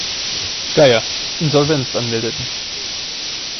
Geyer, Insolvenz anmeldeten.